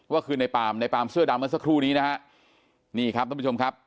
ว่าคือในปามในปามเสื้อดำเมื่อสักครู่นี้นะฮะนี่ครับท่านผู้ชมครับ